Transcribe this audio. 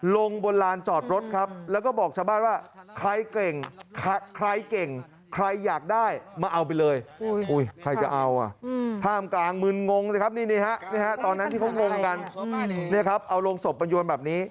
ลงบนร้านจอดรถครับแล้วก็บอกชาวบ้านว่า